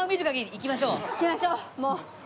行きましょうもう。